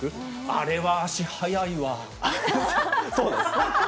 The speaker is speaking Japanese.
あれは足速いわ。